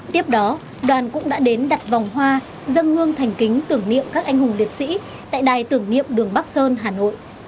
tiếp đó đoàn cũng đã đến đặt vòng hoa dâng hương thành kính tưởng niệm các anh hùng liệt sĩ tại đài tưởng niệm đường bắc sơn hà nội